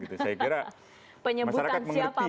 saya kira masyarakat mengerti